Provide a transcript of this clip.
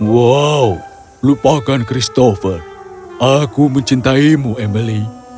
wow lupakan christopher aku mencintaimu emily